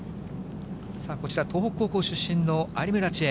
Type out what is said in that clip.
さあ、こちら東北高校出身の有村智恵。